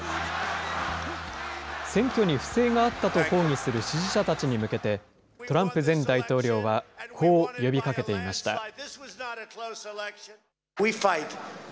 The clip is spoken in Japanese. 選挙に不正があったと抗議する支持者たちに向けて、トランプ前大統領はこう呼びかけていました。